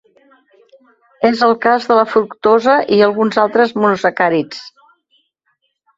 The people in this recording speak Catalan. És el cas de la fructuosa i alguns altres monosacàrids.